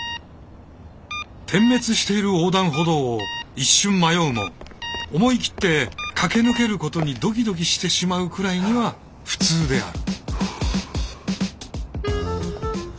点滅している横断歩道を一瞬迷うも思い切って駆け抜けることにドキドキしてしまうくらいにはフツーである。